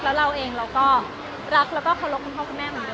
แล้วเราเองเราก็รักแล้วก็เคารพคุณพ่อคุณแม่มา